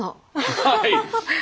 はい。